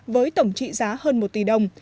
với tổng trị giá hơn một tỷ đồng